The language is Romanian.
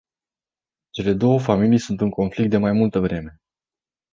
Cele două familii sunt în conflict de mai multă vreme.